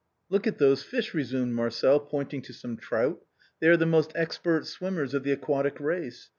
" Look at those fish !" resumed Marcel, pointing to some trout ;" they are the most expert swimmers of the aquatic race.